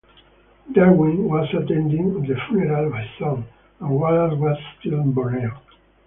Darwin was attending the funeral of his son, and Wallace was still in Borneo.